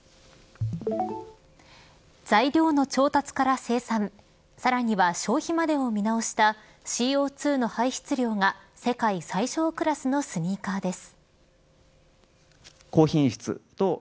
材料の調達から生産さらには消費までを見直したＣＯ２の排出量が世界最小クラスのスニーカーです。